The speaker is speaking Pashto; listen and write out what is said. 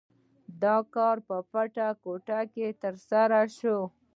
دا کار په پټه توګه ترسره شو.